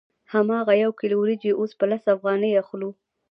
هماغه یو کیلو وریجې اوس په لس افغانۍ اخلو